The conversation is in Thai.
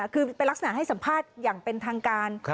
คือเป็นลักษณะให้สัมภาษณ์อย่างเป็นทางการ